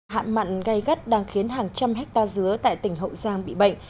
hạn mặn gây gắt đang khiến hàng trăm hectare dứa tại tỉnh hậu giang bị bệnh